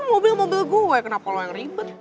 mobil mobil gue kenapa kalau yang ribet